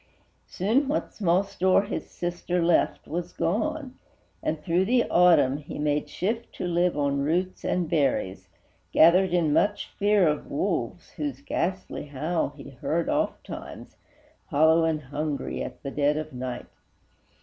Soon what small store his sister left was gone, And, through the Autumn, he made shift to live On roots and berries, gathered in much fear Of wolves, whose ghastly howl he heard ofttimes, Hollow and hungry, at the dead of night.